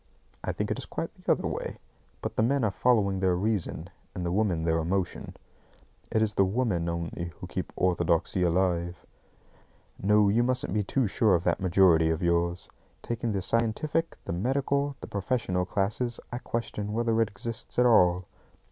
I think it is quite the other way. But the men are following their reason, and the women their emotion. It is the women only who keep orthodoxy alive. No, you mustn't be too sure of that majority of yours. Taking the scientific, the medical, the professional classes, I question whether it exists at all.